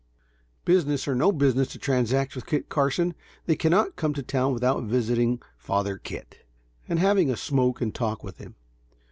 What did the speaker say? Business or no business to transact with Kit Carson, they cannot come to town without visiting "Father Kit," and having a smoke and talk with him.